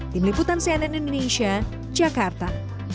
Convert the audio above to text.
tim liputan cnn indonesia jakarta